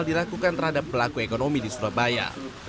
dilakukan terhadap pelaku ekonomi di surabaya